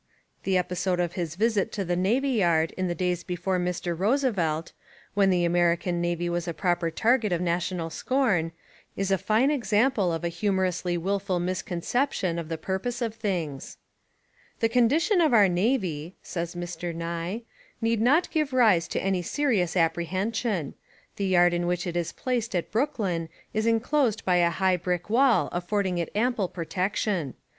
The episode of his 122 A m erica n Hiniiou r visit to the Navy Yard in the days before Mr. Roosevelt, when the American Navy was a proper target of national scorn, is a fine ex ample of a humorously wilful misconception of the purpose of things : "The condition of our navy," says Mr. Nye, "need not give rise to any serious apprehension. The yard in which it is placed at Brooklyn is enclosed by a high brick wall affording it ample protection.